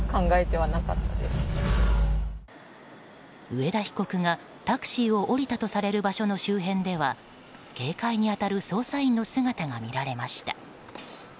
上田被告が、タクシーを降りたとされる場所の周辺では警戒に当たる捜査員の姿が見られました。